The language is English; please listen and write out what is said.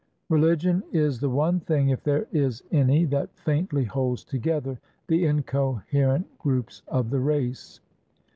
Rehgion is the one thing if there is any, that faintly holds together the incoherent groups of the race.